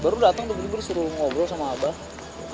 baru dateng tuh berdua suruh ngobrol sama abah